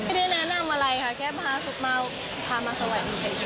ไม่ได้แนะนำอะไรค่ะแค่พามาสวัสดี